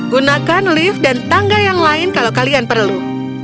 gunakan lift dan tangga yang lain kalau kalian perlu